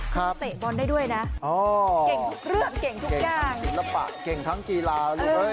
เก่งมากเลยเนาะน้องธันวา